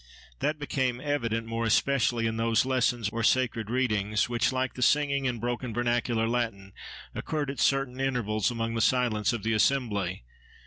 That became evident, more especially, in those lessons, or sacred readings, which, like the singing, in broken vernacular Latin, occurred at certain intervals, amid the silence of the assembly.